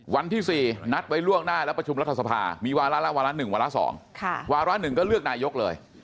วันที่๔นัดไว้ล่วงหน้าแล้วประชุมรัฐสภามีวาระละวาระ๑วาระ๒วาระ๑ก็เลือกนายกเลย